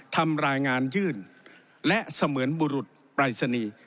ทำรายงานยื่นและเสมือนบุรุษปรายศนีย์